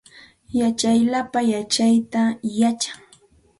Yachaq lapa yachaytam yachan